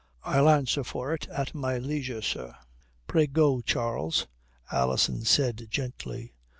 "I'll answer for it at my leisure, sir." "Pray go, Charles," Alison said gently.